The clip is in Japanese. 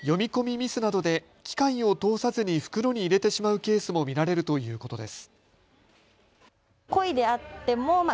ミスなどで機械を通さずに袋に入れてしまうケースも見られるということです。